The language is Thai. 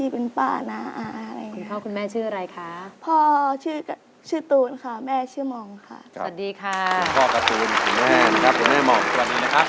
พ่อชื่อตูนค่ะแม่ชื่อมองค่ะ